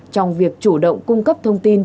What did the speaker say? trong việc chủ động cung cấp thông tin